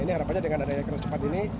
ini harapannya dengan adanya kereta cepat ini